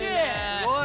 すごい。